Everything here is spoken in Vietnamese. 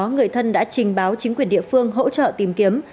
người thân đã trình báo chính quyền địa phương hỗ trợ tìm kiếm